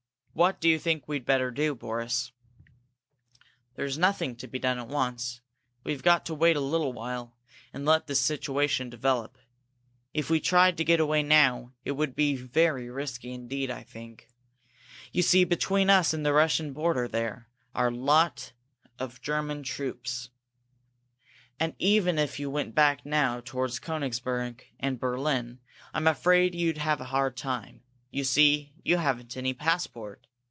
What do you think we'd better do, Boris?" "There's nothing to be done at once. We've got to wait a little while, and let the situation develop. If we tried to get away now, it would be very risky indeed, I think. You see, between us and the Russian border there are a lot of German troops. And, even if you went back now toward Koenigsberg and Berlin, I'm afraid you'd have a hard time. You see, you haven't any passport.